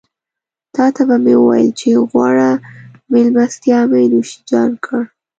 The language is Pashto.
تاته به مې وويل چې غوړه مېلمستيا مې نوشيجان کړه.